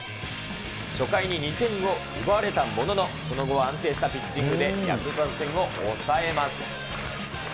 初回に２点を奪われたものの、その後は安定したピッチングでヤクルト打線を抑えます。